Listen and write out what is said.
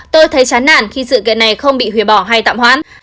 tôi thấy chán nản khi sự kiện này không bị hủy bỏ hay tạm hoãn